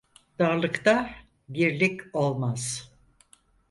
Darlıkta dirlik olmaz.